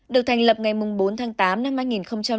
được thành lập ngày bốn tháng tám năm hai nghìn bốn